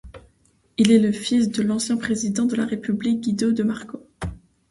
Il est le fils de l'ancien président de la République Guido de Marco.